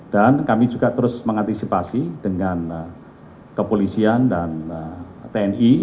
dan kami juga terus mengantisipasi dengan kepolisian dan tni